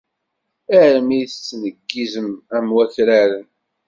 Armi i tettneggizem am wakraren.